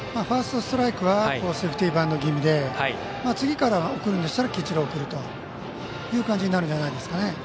ファーストストライクはセーフティーバント気味で次から送るんでしたらきっちり送るという感じになるんじゃないですかね。